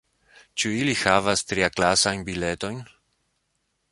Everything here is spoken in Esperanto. Ĉu ili havas triaklasajn biletojn?